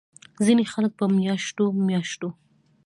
ځينې خلک پۀ مياشتو مياشتو